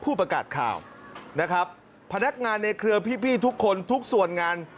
ประกาศข่าวนะครับพนักงานในเครือพี่ทุกคนทุกส่วนงาน